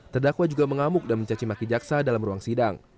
terdakwa juga mengamuk dan mencacimaki jaksa dalam ruang sidang